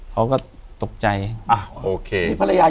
อยู่ที่แม่ศรีวิรัยิลครับ